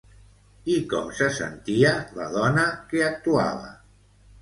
I com se sentia la dona que actuava?